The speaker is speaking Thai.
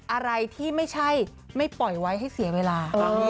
อะไรที่ไม่ใช่ไม่ปล่อยไว้ให้เสียเวลา